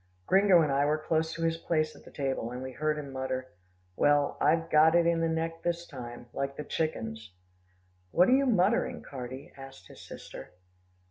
Gringo and I were close to his place at the table, and we heard him mutter, "Well, I've got it in the neck this time like the chickens." "What are you muttering, Carty?" asked his sister.